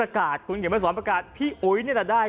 อากาศคุณเขียนมาสอนประกาศพี่อุ๋ยนี่แหละได้